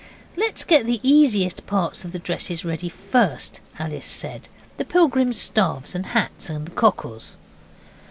'Let's get the easiest parts of the dresses ready first.' Alice said 'the pilgrims' staffs and hats and the cockles.